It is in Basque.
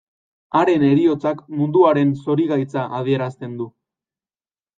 Haren heriotzak munduaren zorigaitza adierazten du.